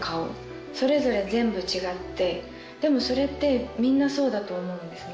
それぞれ全部違ってでもそれってみんなそうだと思うんですね。